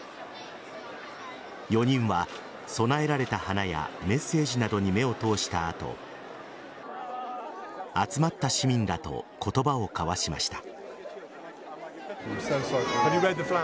４人は供えられた花やメッセージなどに目を通した後集まった市民らと言葉を交わしました。